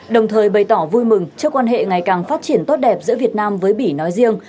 đồng thời bày tỏ vui mừng trước quan hệ ngày càng phát triển tốt đẹp giữa việt nam với bỉ nói riêng